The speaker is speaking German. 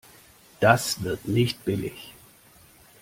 Das wird nicht billig.